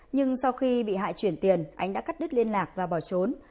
nhưng sau khi bị hại chuyển tiền ánh đã cắt đứt liên lạc và bỏ trốn